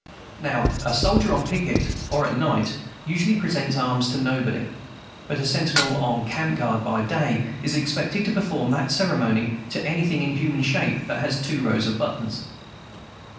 Now a soldier on picket, or at night, usually presents arms to nobody; but a sentinel on camp guard by day is expected to perform that ceremony to anything in human shape that has two rows of buttons.